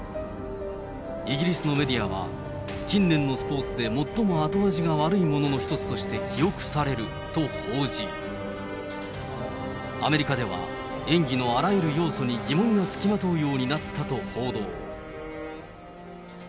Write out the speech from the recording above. イギリスのメディアは、近年のスポーツで最も後味が悪いものの一つとして記憶されると報じ、アメリカでは、演技のあらゆる要素に疑問が付きまとうようになったと報道。